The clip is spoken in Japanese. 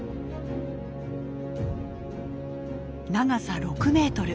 長さ６メートル。